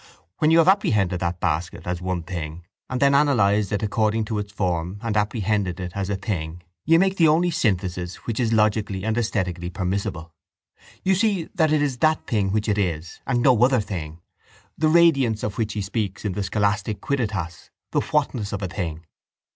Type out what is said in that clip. When you have apprehended that basket as one thing and have then analysed it according to its form and apprehended it as a thing you make the only synthesis which is logically and esthetically permissible. You see that it is that thing which it is and no other thing. The radiance of which he speaks in the scholastic quidditas, the whatness of a thing.